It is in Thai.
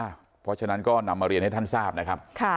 เพราะฉะนั้นก็นำมาเรียนให้ท่านทราบนะครับ